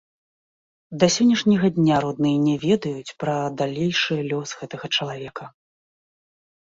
Да сённяшняга дня родныя не ведаюць пра далейшы лёс гэтага чалавека.